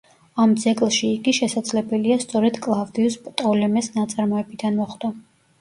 ამ ძეგლში იგი, შესაძლებელია, სწორედ კლავდიუს პტოლემეს ნაწარმოებიდან მოხვდა.